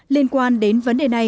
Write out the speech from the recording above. liên quan đến vấn đề này